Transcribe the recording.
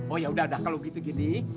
oh yaudah kalau gitu gini